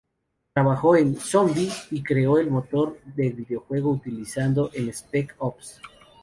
Trabajó en "Zombi", y creó el motor de videojuego utilizado en "Spec" Ops.